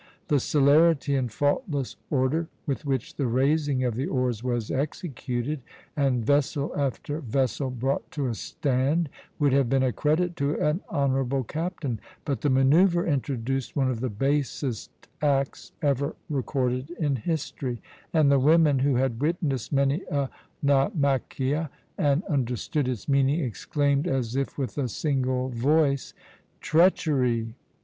The celerity and faultless order with which the raising of the oars was executed and vessel after vessel brought to a stand would have been a credit to an honourable captain, but the manœuvre introduced one of the basest acts ever recorded in history; and the women, who had witnessed many a naumachia and understood its meaning, exclaimed as if with a single voice: "Treachery!